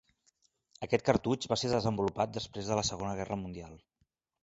Aquest cartutx va ser desenvolupat després de la Segona Guerra Mundial.